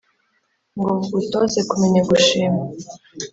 ngo bugutoze kumenya gushima